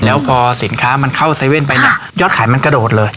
แล้วพอสินค้ามันเข้าเว่นไปเนี่ยยอดขายมันกระโดดเลย